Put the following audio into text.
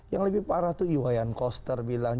yang lebih parah itu iwayan koster bilang